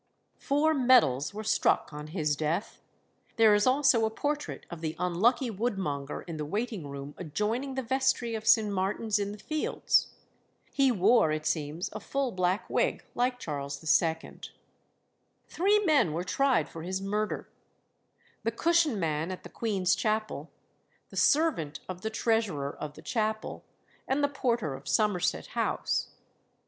Four medals were struck on his death. There is also a portrait of the unlucky woodmonger in the waiting room adjoining the Vestry of St. Martin's in the Fields. He wore, it seems, a full black wig, like Charles II. Three men were tried for his murder the cushion man at the Queen's Chapel, the servant of the treasurer of the chapel, and the porter of Somerset House.